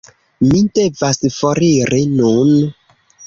Mi devas foriri nun